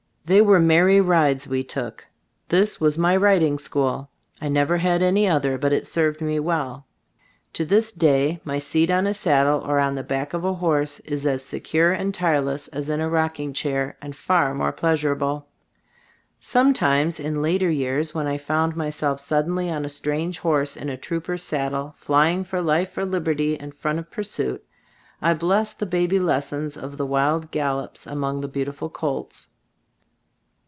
They were merry rides we took. This was my riding school. I never had any other, but it served me 20 ttbe Storg of Aie? Gbilftbooft well. To this day my seat on a sad dle or on the back of a horse is as se cure and tireless as in a rocking chair, and far more pleasurable. Some times, in later years, when I found myself suddenly on a strange horse in a trooper's saddle, flying for life or liberty in front of pursuit, I blessed the baby lessons of the wild gallops among the beautiful colts.